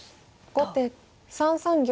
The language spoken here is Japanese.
後手３三玉。